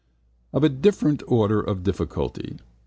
Of a different order of difficulty.